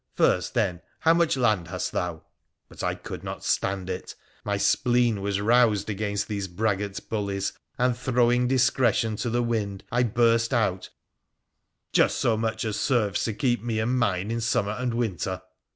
First, then, how much land hast thou ?' But I could not stand it. My spleen was roused against these braggart bullies, and, throwing discretion to the wind, I burst out, ' Just so much as serves to keep me and mine in summer and winter